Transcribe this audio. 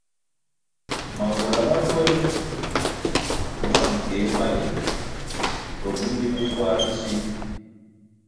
Mawula ma twelfu, bvang keh baleh to bili bi kwar ri si.